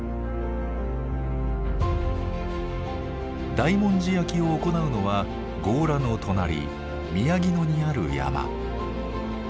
大文字焼きを行うのは強羅の隣宮城野にある山。